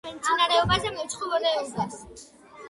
მისდევენ მემცენარეობას და მეცხოველეობას.